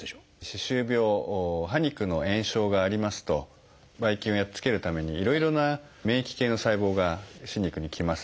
歯周病歯肉の炎症がありますとばい菌をやっつけるためにいろいろな免疫系の細胞が歯肉に来ます。